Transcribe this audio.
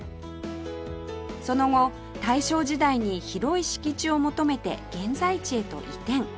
その後大正時代に広い敷地を求めて現在地へと移転